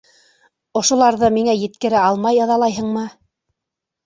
Ошоларҙы миңә еткерә алмай ыҙалайһыңмы?